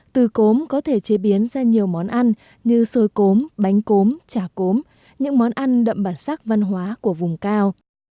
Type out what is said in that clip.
từ cốm có thể chế biến ra nhiều món ăn như xôi cốm bánh cốm trà cốm những món ăn đậm bản sắc văn hóa của vùng cao